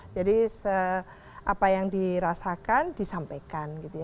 jadi apa yang dirasakan disampaikan